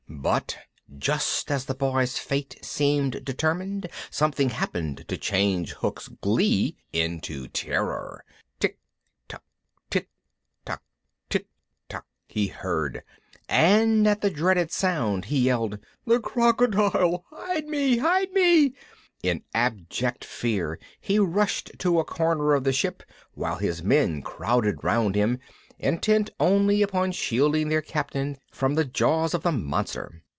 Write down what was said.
But, just as the Boys' fate seemed determined, something happened to change Hook's glee into terror. "Tick! tick! ter ick, tick, tick!" he heard, and at the dreaded sound he yelled: "The crocodile! hide me, hide me!" In abject fear he rushed to a corner of the ship while his men crowded round him, intent only upon shielding their captain from the jaws of the monster.